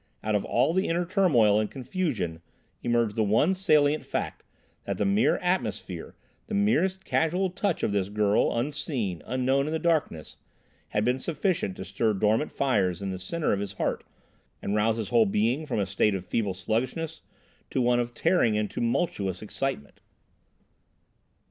Out of all the inner turmoil and confusion emerged the one salient fact that the mere atmosphere, the merest casual touch, of this girl, unseen, unknown in the darkness, had been sufficient to stir dormant fires in the centre of his heart, and rouse his whole being from a state of feeble sluggishness to one of tearing and tumultuous excitement.